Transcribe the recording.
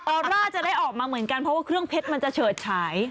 อร่าจะได้ออกมาเหมือนกันเพราะว่าเครื่องเพชรมันจะเฉิดฉาย